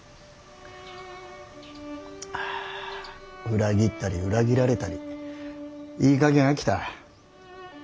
裏切ったり裏切られたりいいかげん飽きた。